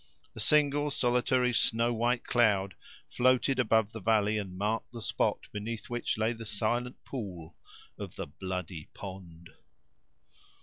A single, solitary, snow white cloud floated above the valley, and marked the spot beneath which lay the silent pool of the "bloody pond."